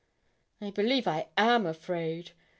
'I believe I am afraid.